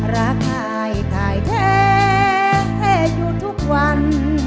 รักทายทายเธอให้อยู่ทุกวัน